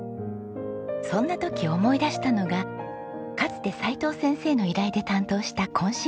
そんな時思い出したのがかつて齋藤先生の依頼で担当した懇親会。